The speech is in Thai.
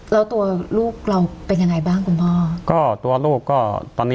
แล้วตัวลูกเราเป็นยังไงบ้างคุณพ่อก็ตัวลูกก็ตอนนี้